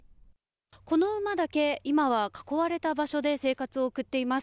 この馬だけ、今は囲われた場所で生活を送っています。